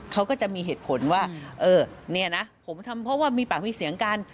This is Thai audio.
เขาก็จะมีเหตุผลว่าเออเนี่ยนะผมทำเพราะว่ามีปากมีเสียงกัน